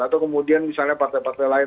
atau kemudian misalnya partai partai lain